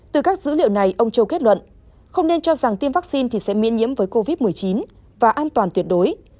từ các dữ liệu này ông châu kết luận không nên cho rằng tiêm vaccine thì sẽ miễn nhiễm với covid một mươi chín và an toàn tuyệt đối